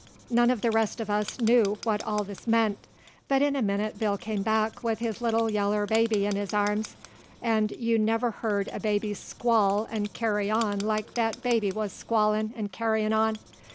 None uv the rest uv us knew what all this meant, but in a minnit Bill come back with his little yaller baby in his arms, 'nd you never heerd a baby squall 'nd carry on like that baby wuz squallin' 'nd carryin' on.